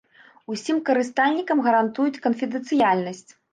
Усім карыстальнікам гарантуюць канфідэнцыяльнасць.